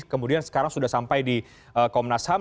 kemudian sekarang sudah sampai di komnas ham